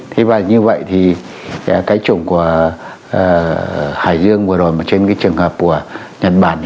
y và như vậy thì sẽ cách chủng của khải diêng vừa rồi mà trên cái trường hợp của nhật bản